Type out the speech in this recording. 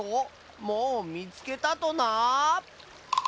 もうみつけたとな？